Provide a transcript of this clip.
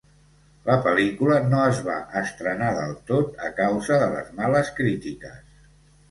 La pel·lícula no es va estrenar del tot a causa de les males crítiques.